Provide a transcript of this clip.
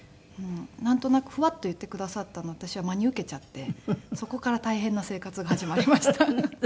なんとなくふわっと言ってくださったのを私は真に受けちゃってそこから大変な生活が始まりました。